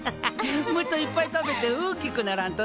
もっといっぱい食べて大きくならんとな。